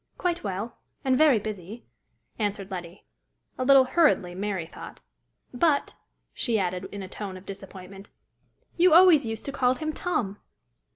"Quite well and very busy," answered Letty a little hurriedly, Mary thought. " But," she added, in a tone of disappointment, "you always used to call him Tom!"